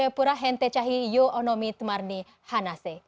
jayapura hente cahi yonomi temarni hanase